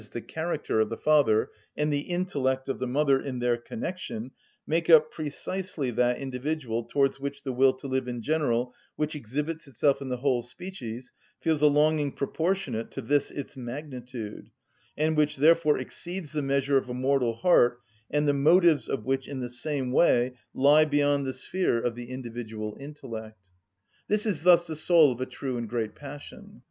_, the character, of the father and the intellect of the mother, in their connection, make up precisely that individual towards which the will to live in general which exhibits itself in the whole species feels a longing proportionate to this its magnitude, and which therefore exceeds the measure of a mortal heart, and the motives of which, in the same way, lie beyond the sphere of the individual intellect. This is thus the soul of a true and great passion.